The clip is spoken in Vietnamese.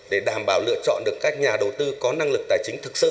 để đảm bảo lựa chọn được các nhà đầu tư có năng lực tài chính thực sự